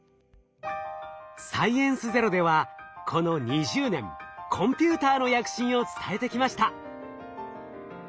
「サイエンスＺＥＲＯ」ではこの２０年コンピューターの躍進を伝えてきました。